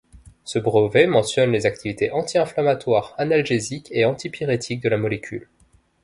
Ce brevet mentionne les activités anti-inflammatoire, analgésique et antipyrétique de la molécule.